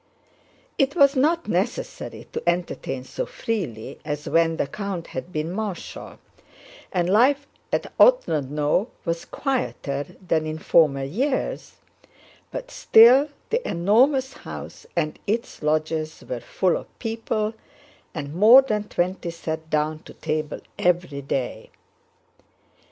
It was not necessary to entertain so freely as when the count had been Marshal, and life at Otrádnoe was quieter than in former years, but still the enormous house and its lodges were full of people and more than twenty sat down to table every day.